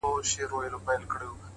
اخلاق د شخصیت رښتینی رنګ دی,